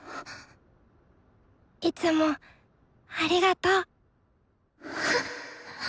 いつもありがと。